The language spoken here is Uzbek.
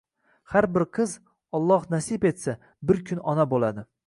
Har bir qiz – Alloh nasib etsa – bir kun ona bo‘ladi.